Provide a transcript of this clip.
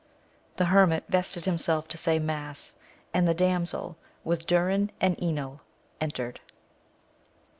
The hermit vested himself to say mass, and the damsel with Durin aiid Enil entered.